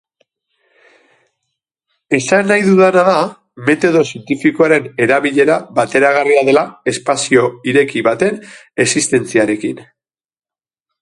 Esan nahi dudana da metodo zientifikoaren erabilera bateragarria dela espazio ireki baten existentziarekin.